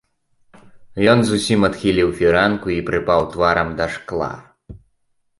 Ён зусім адхіліў фіранку і прыпаў тварам да шкла.